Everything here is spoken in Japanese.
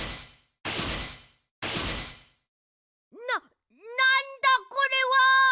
ななんだこれは！？